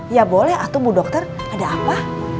ya boleh atuh bu dokter ada apa